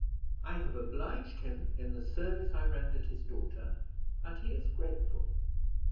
I have obliged him in the service I rendered his daughter, and he is grateful."